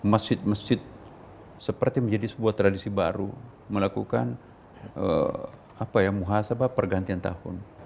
masjid masjid seperti menjadi sebuah tradisi baru melakukan muhasabah pergantian tahun